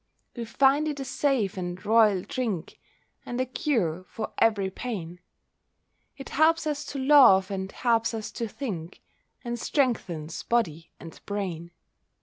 We find it a safe and royal drink, And a cure for every pain; It helps us to love, and helps us to think, And strengthens body and brain.